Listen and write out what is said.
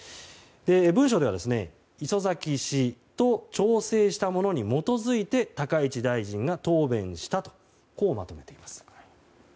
文書では礒崎氏と調整したものに基づいて高市大臣が答弁したとまとめています。